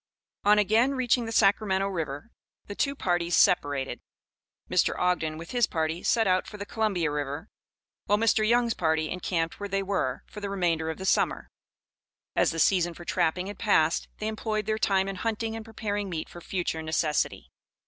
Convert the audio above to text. On again reaching the Sacramento River, the two parties separated. Mr. Ogden, with his party, set out for the Columbia River, while Mr. Young's party encamped where they were, for the remainder of the summer. As the season for trapping had passed, they employed their time in hunting and preparing meat for future necessity.